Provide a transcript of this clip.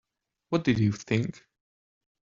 What did you think?